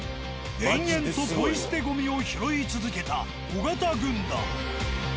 延々とポイ捨てゴミを拾い続けた尾形軍団。